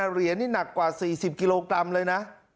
เหรียญนี่หนักกว่า๔๐กิโลกรัมเลยนะ